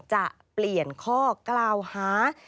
จะเปลี่ยนข้อกล่าวหา